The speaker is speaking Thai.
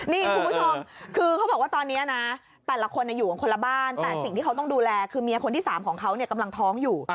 นี่คุณผู้ชมคือเขาบอกว่าตอนนี้นะแต่ละคนอยู่กันคนละบ้านแต่สิ่งที่เขาต้องดูแลคือเมียคนที่๓ของเขากำลังท้องอยู่